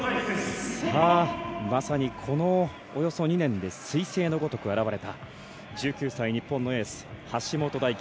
まさにこのおよそ２年ですい星のごとく現れた１９歳日本のエース橋本大輝